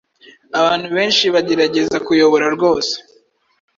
Abantu benshi bagerageza kuyobora rwose